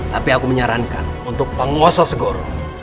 tapi aku menyarankan untuk penguasa segur